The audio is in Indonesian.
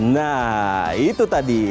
nah itu tadi